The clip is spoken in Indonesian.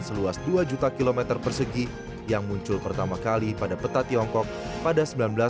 seluas dua juta kilometer persegi yang muncul pertama kali pada peta tiongkok pada seribu sembilan ratus sembilan puluh